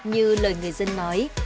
như lời người dân nói